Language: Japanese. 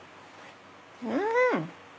うん！